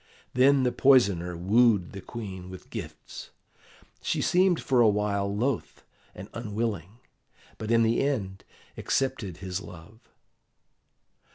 Then the poisoner wooed the Queen with gifts. She seemed for a while loath and unwilling, but in the end accepted his love.